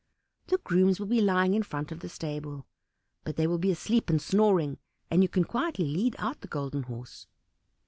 The grooms will be lying in front of the stable; but they will be asleep and snoring, and you can quietly lead out the Golden Horse.